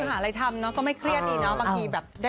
หากหาอะไรทำเนาะก็ไม่เครียดดีเนาะ